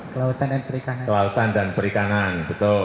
kelautan dan perikanan